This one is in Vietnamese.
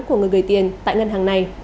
của người gửi tiền tại ngân hàng này